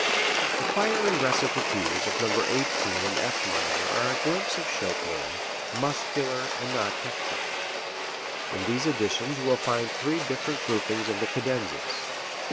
The fiery recitatives of No. 18 in F minor are a glimpse of Chopin, muscular and not hectic. In these editions you will find three different groupings of the cadenzas.